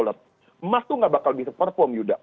emas itu nggak bakal bisa perform yuda